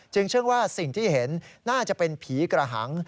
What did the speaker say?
เชื่อว่าสิ่งที่เห็นน่าจะเป็นผีกระหัง